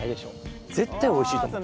絶対美味しいと思う。